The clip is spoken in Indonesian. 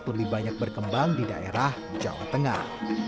terlebih banyak berkembang di daerah jawa tengah